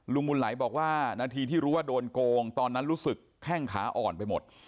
บุญไหลบอกว่านาทีที่รู้ว่าโดนโกงตอนนั้นรู้สึกแข้งขาอ่อนไปหมด